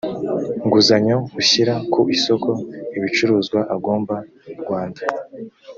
nguzanyo ushyira ku isoko ibicuruzwa agomba rwanda